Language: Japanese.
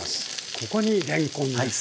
ここにれんこんです。